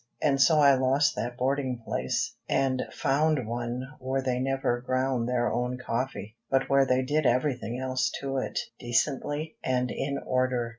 And so I lost that boarding place, and found one where they never ground their own coffee, but where they did everything else to it, decently and in order.